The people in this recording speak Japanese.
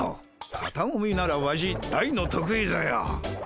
肩もみならワシ大の得意ぞよ。